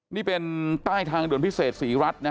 นี่เป็นใต้ทางด่วนพิเศษศรีรัฐนะ